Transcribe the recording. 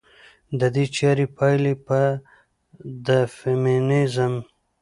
د دې چارې پايلې به د فيمينزم